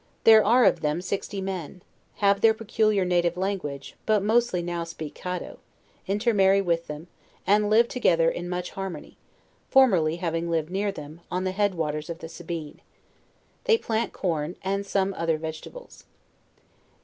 There are of them sixty men: have their peculiar native language, but mostly now sneak Caddo; intermarry with them, and live together in much harmony, formerly having lived near them, on the head waters of the Sabine. They plant corn, and some oth er vegetables.